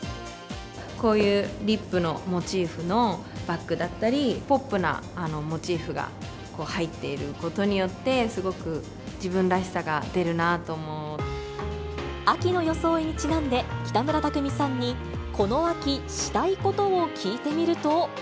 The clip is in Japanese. こういうリップのモチーフのバッグだったり、ポップなモチーフが入っていることによって、秋の装いにちなんで、北村匠海さんに、この秋したいことを聞いてみると。